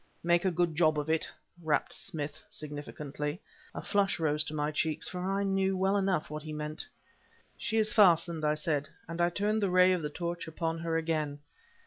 "Make a good job of it!" rapped Smith, significantly. A flush rose to my cheeks, for I knew well enough what he meant. "She is fastened," I said, and I turned the ray of the torch upon her again.